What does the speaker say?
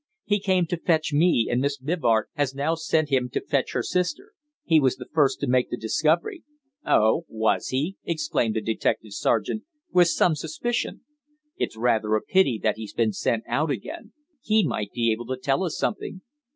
"He came to fetch me, and Miss Mivart has now sent him to fetch her sister. He was the first to make the discovery." "Oh, was he?" exclaimed the detective sergeant, with some suspicion. "It's rather a pity that he's been sent out again. He might be able to tell us something."